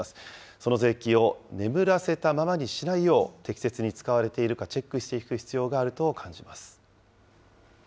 その税金を眠らせたままにしないよう、適切に使われているかチェックしていく必要があると感じます。